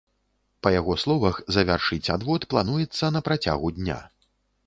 Па яго словах, завяршыць адвод плануецца на працягу дня.